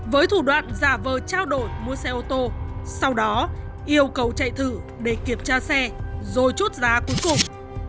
với thủ đoạn giả vờ trao đổi mua xe ô tô sau đó yêu cầu chạy thử để kiểm tra xe rồi chốt giá cuối cùng